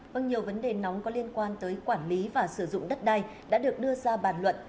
vâng nhiều vấn đề nóng có liên quan tới quản lý và sử dụng đất đai đã được đưa ra bàn luận